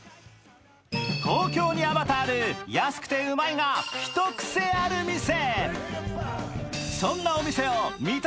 東京にあまたある安くてうまいが一癖ある店。